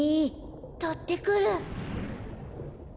とってくる。